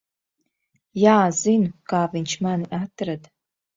Jā, zinu, kā viņš mani atrada.